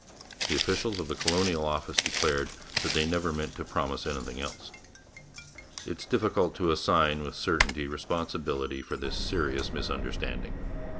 The officials of the Colonial Office declared that they never meant to promise anything else. It is difficult to assign with certainty responsibility for this serious misunderstanding.